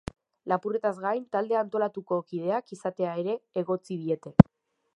Lapurretaz gain, talde antolatuko kideak izatea ere egotzi diete.